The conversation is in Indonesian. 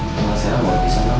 gak usah amu murid sama amu